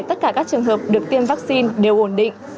tất cả các trường hợp được tiêm vaccine đều ổn định